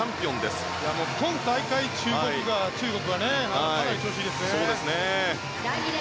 今大会、中国はかなり調子いいですね。